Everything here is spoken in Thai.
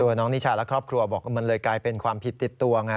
น้องนิชาและครอบครัวบอกว่ามันเลยกลายเป็นความผิดติดตัวไง